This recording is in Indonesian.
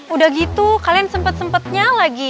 udah gitu kalian sempet sempetnya lagi